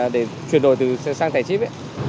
để chuyển đổi từ sang thẻ chip